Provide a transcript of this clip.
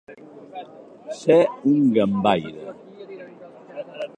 Ser un gambaire.